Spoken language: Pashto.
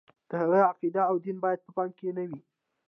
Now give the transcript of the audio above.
د هغه عقیده او دین باید په پام کې نه وي.